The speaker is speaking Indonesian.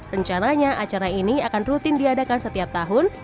rencananya acara ini akan rutin diadakan setiap tahun